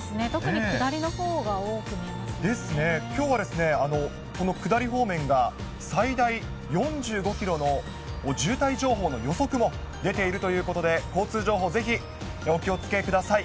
そうですね。ですね。きょうはこの下り方面が最大４５キロの渋滞情報の予測も出ているということで、交通情報、ぜひお気をつけください。